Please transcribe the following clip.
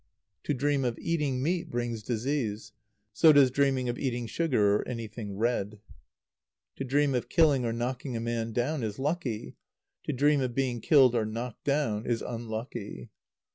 To dream of eating meat brings disease. So does dreaming of eating sugar or anything red. To dream of killing or knocking a man down is lucky. To dream of being killed or knocked down is unlucky.